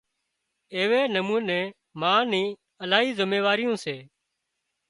ايوي نموني ما ني الاهي زميواريون سي